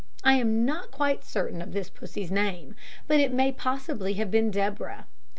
I am not quite certain of this Pussy's name, but it may possibly have been Deborah.